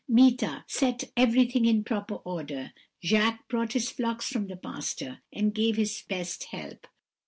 Meeta set everything in proper order. Jacques brought his flocks from the pasture, and gave his best help.